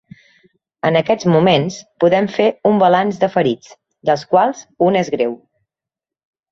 En aquests moments podem fer un balanç de ferits, dels quals un és greu.